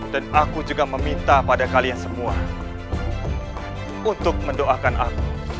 dan aku juga meminta pada kalian semua untuk mendoakan aku